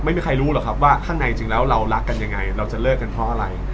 ไม่มีใครรู้หรอกครับว่าข้างในจริงแล้วเรารักกันยังไงเราจะเลิกกันเพราะอะไร